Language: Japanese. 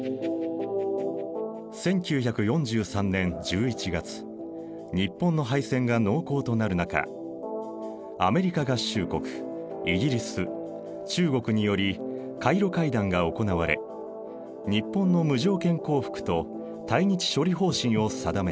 １９４３年１１月日本の敗戦が濃厚となる中アメリカ合衆国イギリス中国によりカイロ会談が行われ日本の無条件降伏と対日処理方針を定めた。